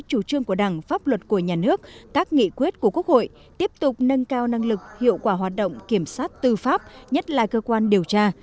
chủ trương của đảng pháp luật của nhà nước các nghị quyết của quốc hội tiếp tục nâng cao năng lực hiệu quả hoạt động kiểm soát tư pháp nhất là cơ quan điều tra